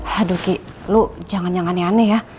haduh ki lo jangan yang aneh aneh ya